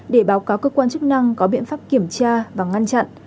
để báo cáo cơ quan chức năng có biện pháp kiểm tra và ngăn chặn